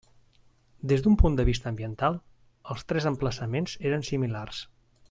Des d'un punt de vista ambiental, els tres emplaçaments eren similars.